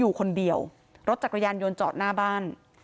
อยู่คนเดียวรถจักรยานยนต์จอดหน้าบ้าน